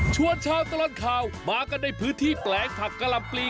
ชวนชาวตลอดข่าวมากันในพื้นที่แปลงผักกะหล่ำปลี